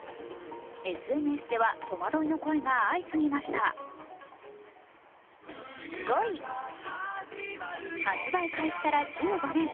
ＳＮＳでは戸惑いの声が相次ぎました５位、発売開始から１５年。